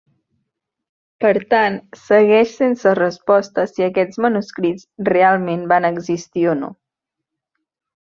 Per tant, segueix sense resposta si aquests manuscrits realment van existir o no.